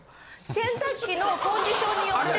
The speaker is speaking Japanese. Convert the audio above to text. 洗濯機のコンディションによって。